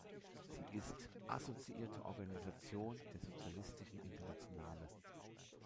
Sie ist Assoziierte Organisation der Sozialistischen Internationale.